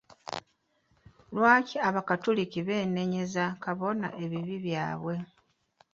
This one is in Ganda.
Lwaki abakatoliki beenenyeza Kabona ebibi byabwe?